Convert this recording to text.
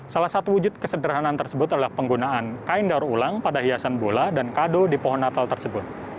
salah satu wujud kesederhanaan tersebut adalah penggunaan kain daur ulang pada hiasan bola dan kado di pohon natal tersebut